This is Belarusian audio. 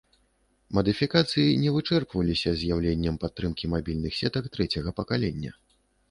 Мадыфікацыі не вычэрпваліся з'яўленнем падтрымкі мабільных сетак трэцяга пакалення.